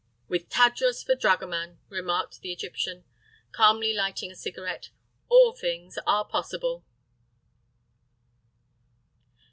"With Tadros for dragoman," remarked the Egyptian, calmly lighting a cigarette, "all things are possible."